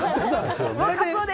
もうカツオで！